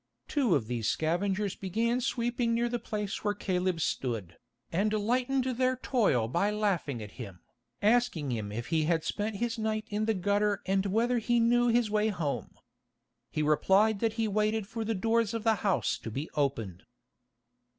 Two of these scavengers began sweeping near the place where Caleb stood, and lightened their toil by laughing at him, asking him if he had spent his night in the gutter and whether he knew his way home. He replied that he waited for the doors of the house to be opened.